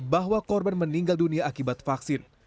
bahwa korban meninggal dunia akibat vaksin